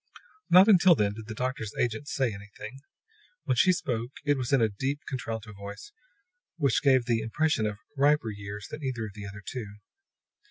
Not until then did the doctor's agent say anything. When she spoke it was in a deep, contralto voice which gave the impression of riper years than either of the other two.